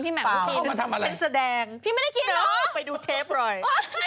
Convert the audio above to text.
พี่แหม่มก็กินเพราะฉันแสดงพี่ไม่ได้กินหรอกโอ๊ยไปดูเทปล่อย